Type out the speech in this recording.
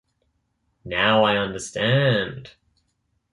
Now I understand.